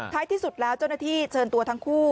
ที่สุดแล้วเจ้าหน้าที่เชิญตัวทั้งคู่